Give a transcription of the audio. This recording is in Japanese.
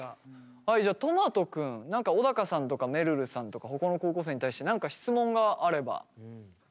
はいじゃあとまと君何か小高さんとかめるるさんとかほかの高校生に対して何か質問があれば。